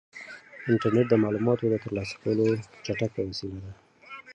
انټرنيټ د معلوماتو د ترلاسه کولو چټکه وسیله ده.